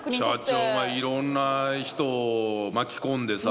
社長がいろんな人を巻き込んでさ。